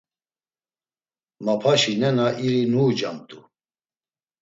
Mapaşi nena iri nuucamt̆u.